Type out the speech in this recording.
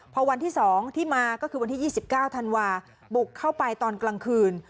พอวันที่๒ที่มาก็คือวันที่๒๙ธันวาบุกเข้าไปตอนกลางคืน